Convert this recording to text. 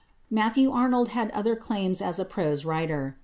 Matthew Arnold had other claims as a prose writer.